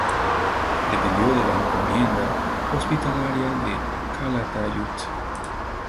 Dependió de la encomienda hospitalaria de Calatayud.